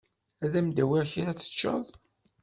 Ad m-d-awiɣ kra ad t-teččeḍ.